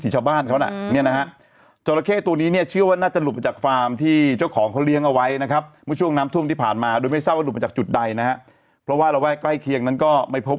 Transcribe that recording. จากจุดใดนะฮะเพราะว่าเราว่าใกล้เคียงนั้นก็ไม่พบ